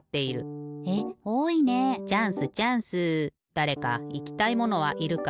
だれかいきたいものはいるか？